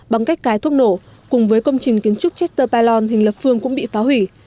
bằng cách cài thuốc nổ cùng với công trình kiến trúc tcher palan hình lập phương cũng bị phá hủy